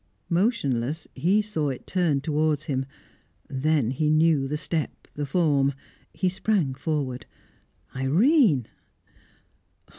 Motionless, he saw it turn towards him. Then he knew the step, the form; he sprang forward. "Irene!"